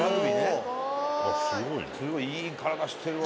すごいいい体してるわ。